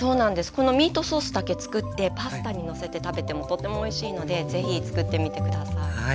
このミートソースだけつくってパスタにのせて食べてもとてもおいしいので是非つくってみて下さい。